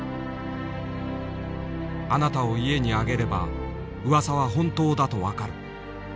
「あなたを家に上げればうわさは本当だと分かる。